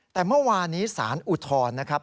แต่เมื่อวานี้สารอุทธรณ์นะครับ